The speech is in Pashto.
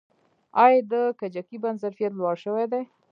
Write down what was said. آیا د کجکي بند ظرفیت لوړ شوی دی؟